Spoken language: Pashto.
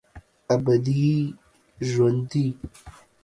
ابدي ژوندي